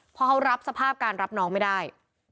พอเขารับสภาพการรับน้องไม่ได้